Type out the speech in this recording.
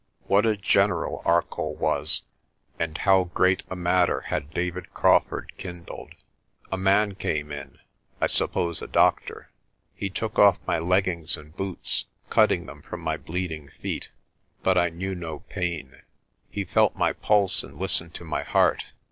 What a general Arcoll was, and how great a matter had David Crawfurd kindled! A man came in I suppose a doctor. He took off my leggings and boots, cutting them from my bleeding feet, but I knew no pain. He felt my pulse and listened to my heart.